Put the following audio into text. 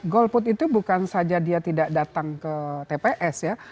golput itu bukan saja dia tidak datang ke tps ya